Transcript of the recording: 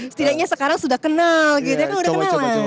setidaknya sekarang sudah kenal